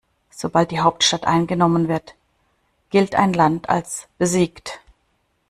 Sobald die Hauptstadt eingenommen wird, gilt ein Land als besiegt.